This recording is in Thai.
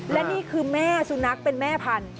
และนี่คือแม่สุนัขเป็นแม่พันธุ